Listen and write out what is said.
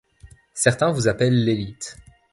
Certains vous appellent l'élite.